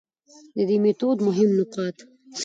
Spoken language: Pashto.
د دې ميتود مهم نقاط: